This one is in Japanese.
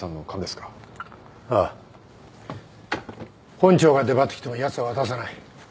本庁が出張ってきてもやつは渡さない。